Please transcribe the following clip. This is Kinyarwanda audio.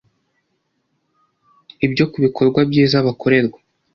ibyo kubikorwa byiza bakorerwa